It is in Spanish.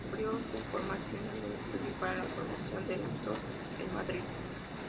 Amplió su formación en el Estudio para la Formación del Actor, en Madrid.